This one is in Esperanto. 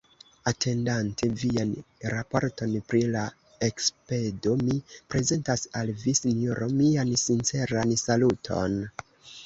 Atendante vian raporton pri la ekspedo, mi prezentas al vi, Sinjoro, mian sinceran saluton.